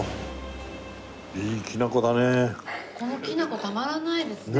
このきな粉たまらないですね